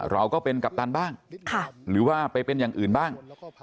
เราก็เป็นกัปตันบ้างหรือว่าไปเป็นอย่างอื่นบ้าง